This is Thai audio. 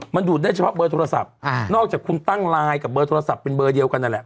มันดูดได้เฉพาะเบอร์โทรศัพท์นอกจากคุณตั้งไลน์กับเบอร์โทรศัพท์เป็นเบอร์เดียวกันนั่นแหละ